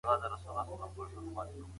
زه به سبا د کور کتابونه ترتيب کوم وم.